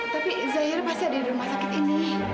tapi zainer pasti ada di rumah sakit ini